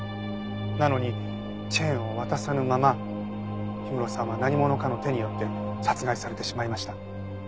なのにチェーンを渡さぬまま氷室さんは何者かの手によって殺害されてしまいました。